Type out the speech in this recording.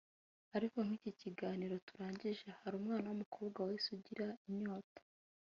ariko nk’iki kiganiro turangije hari umwana w’umukobwa wahise ugira inyota